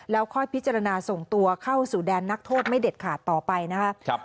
แล้วค่อยพิจารณาส่งตัวเข้าสู่แดนนักโทษไม่เด็ดขาดต่อไปนะครับ